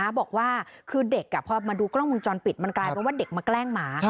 บอกว่าคือเด็กพอมาดูกล้องมุมจรปิดมันกลายเป็นว่าเด็กมาแกล้งหมา